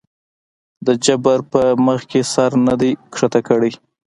د جبر پۀ مخکښې سر نه دے ښکته کړے